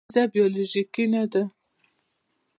غریزه بیولوژیکي نه دی.